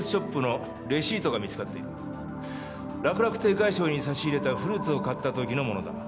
快笑に差し入れたフルーツを買った時のものだ。